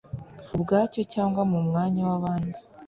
ubwacyo cyangwa mu mwanya w abandi